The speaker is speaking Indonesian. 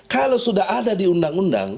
kalau sudah ada di undang undang